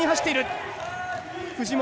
藤本